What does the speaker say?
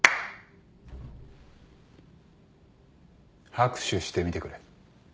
拍手してみてくれ。